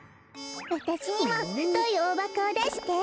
わたしにもふといオオバコをだして。